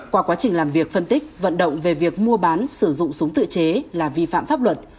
qua quá trình làm việc phân tích vận động về việc mua bán sử dụng súng tự chế là vi phạm pháp luật